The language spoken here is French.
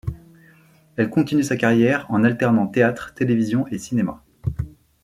Elle continue sa carrière en alternant théâtre, télévision et cinéma.